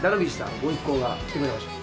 ご一行が来てくれました。